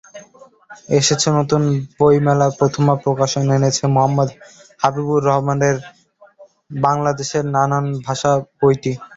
এসেছে নতুন বইমেলায় প্রথমা প্রকাশন এনেছে মুহাম্মদ হাবিবুর রহমানের বাংলাদেশের নানান ভাষা বইটি।